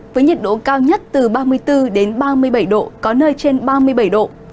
với nhiệt độ cao nhất từ ba mươi bốn đến ba mươi bảy độ có nơi trên ba mươi bảy độ